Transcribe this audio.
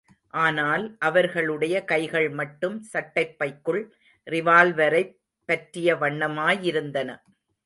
ஆனால், அவர்களுடைய கைகள் மட்டும் சட்டைப்பைக்குள் ரிவால்வரைப் பற்றிய வண்ணமாயிருந்தன.